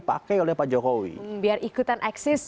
pak jokowi biar ikutan eksis